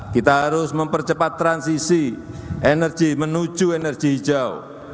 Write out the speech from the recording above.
kita harus mempercepat transisi energi menuju energi hijau